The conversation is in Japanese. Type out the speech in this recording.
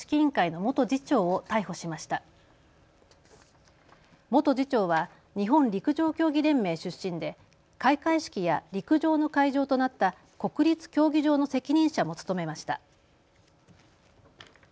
元次長は日本陸上競技連盟出身で開会式や陸上の会場となった国立競技場の責任者も務めました。